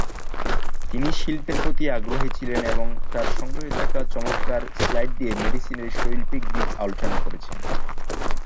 তিনি শিল্পের প্রতি আগ্রহী ছিলেন এবং তার সংগ্রহে থাকা চমৎকার স্লাইড দিয়ে মেডিসিনের শৈল্পিক দিক আলোচনা করেছেন।